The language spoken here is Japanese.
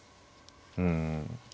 うん。